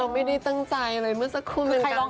ไม่ได้ตั้งใจเลยเมื่อสักครู่เป็นการแสดง